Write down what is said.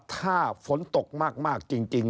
ถ้าฝนตกมากจริง